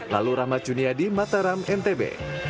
lalu rahmat dunia di mataram ntb